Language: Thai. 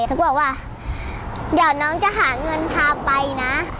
เขาก็บอกว่าเดี๋ยวน้องจะหาเงินพาไปนะ